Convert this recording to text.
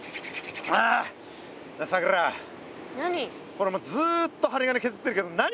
これもうずっと針金削ってるけど何？